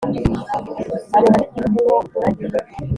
amuha n’igihugu ho umurage